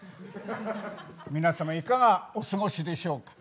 皆様いかがお過ごしでしょうか？